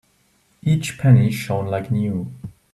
Each penny shone like new.